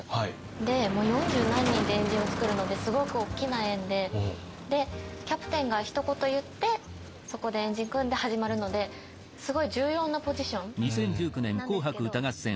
でもう四十何人で円陣を作るのですごく大きな円でキャプテンがひと言言ってそこで円陣組んで始まるのですごい重要なポジションなんですけど。